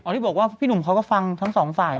ที่บอกว่าพี่หนุ่มเขาก็ฟังทั้งสองฝ่าย